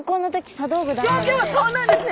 そうなんですね！